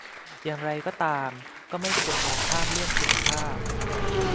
อย่างไรก็ตาม ไม่ควรมองข้ามเรื่องคุณภาพ